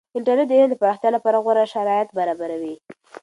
انټرنیټ د علم د پراختیا لپاره غوره شرایط برابروي.